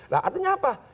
nah artinya apa